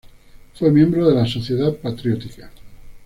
Fue miembro de la Sociedad Patriótica.